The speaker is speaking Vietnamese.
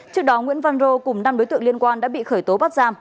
trước đó nguyễn văn rô cùng năm đối tượng liên quan đã bị khởi tố bắt giam